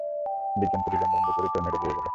বিজ্ঞান পল্লী লণ্ডভণ্ড করে টর্নেডো বয়ে গেল।